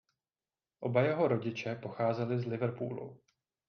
Oba jeho rodiče pocházeli z Liverpoolu.